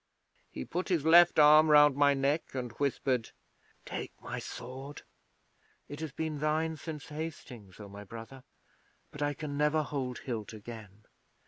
He put his left arm round my neck and whispered, "Take my sword. It has been thine since Hastings, O my brother, but I can never hold hilt again."